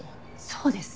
そうですね。